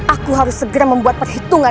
aku harus segera membuat perhitungan